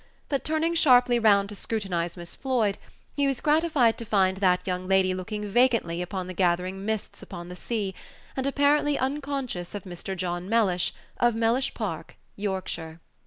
But, turning sharply round to scrutinize Miss Floyd, he was gratified to find that young lady looking vacantly upon the gathering mists upon the sea, and apparently unconscious of Mr. John Mellish, of Mellish Park, Yorkshire.